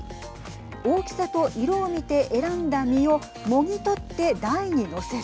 大きさと色を見て選んだ実をもぎ取って台に載せる。